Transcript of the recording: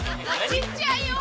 ちっちゃいよ！